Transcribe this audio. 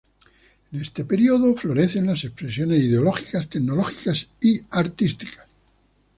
En este período florecen las expresiones ideológicas, tecnológicas y artísticas.